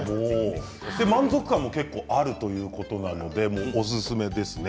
満足感も結構あるということでおすすめです。